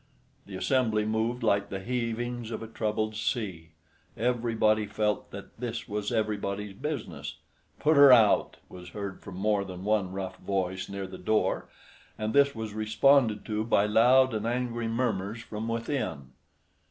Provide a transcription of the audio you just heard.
The assembly moved like the heavings of a troubled sea. Everybody felt that this was everybody's business. "Put her out!" was heard from more than one rough voice near the door, and this was responded to by loud and angry murmurs from within.